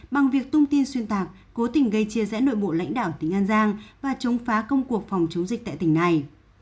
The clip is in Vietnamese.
bằng việc tung tin xuyên tạc cố tình gây chia rẽ nội bộ lãnh đạo tỉnh an giang và chống phá công cuộc phòng chống dịch tại tỉnh này